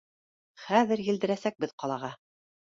Хәҙер елдерәсәкбеҙ ҡалаға.